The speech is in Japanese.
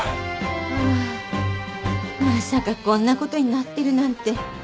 ああまさかこんなことになってるなんて。